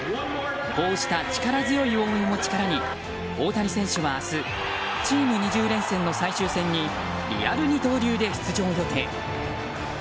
こうした力強い応援を力に大谷選手は明日チーム２０連戦の最終戦にリアル二刀流で出場予定。